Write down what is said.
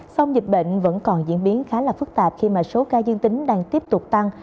song dịch bệnh vẫn còn diễn biến khá là phức tạp khi mà số ca dương tính đang tiếp tục tăng